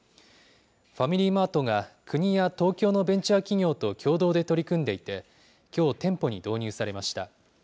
ファミリーマートが、国や東京のベンチャー企業と共同で取り組んでいて、きょう、店舗に導入されました。